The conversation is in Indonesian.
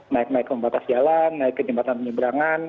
naik naik keempat tas jalan naik ke jembatan penyeberangan